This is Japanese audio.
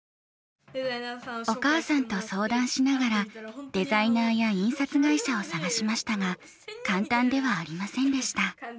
お母さんと相談しながらデザイナーや印刷会社を探しましたが簡単ではありませんでした。